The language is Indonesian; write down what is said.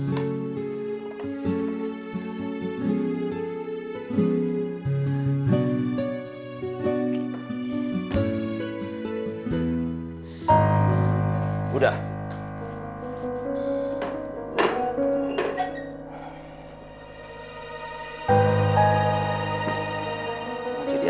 ntar kita ke rumah sakit